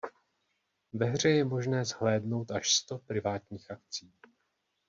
Ve hře je možné zhlédnout až sto privátních akcí.